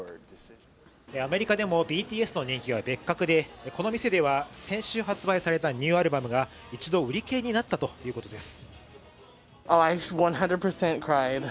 アメリカでもＢＴＳの人気は別格でこの店では先週発売されたニューアルバムが一度売り切れになったということです